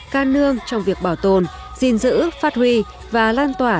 ca nương trong việc bảo tồn gìn giữ phát huy và lan tỏa